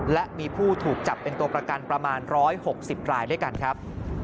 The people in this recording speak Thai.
และมีผู้ถูกจับเป็นตัวประกันประมาณ๑๖๐รายด้วยกันครับ